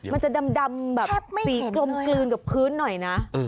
มันจะดำแบบสีกลมกลืนกับพื้นหน่อยนะ